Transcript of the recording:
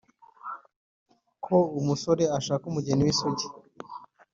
uko umusore ashaka umugeni w’isugi,